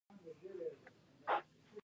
افغانستان تر ټولو ښه د ډبرو سکاره لري.